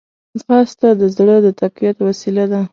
ځغاسته د زړه د تقویت وسیله ده